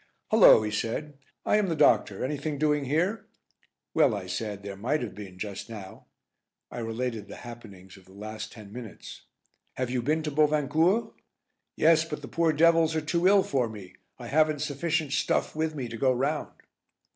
"Hullo," he said, "I am the doctor. Anything doing here?" "Well," I said, "there might have been just now." I related the happenings of the last ten minutes. "Have you been to Bovincourt?" "Yes, but the poor devils are too ill for me. I haven't sufficient stuff with me to go round."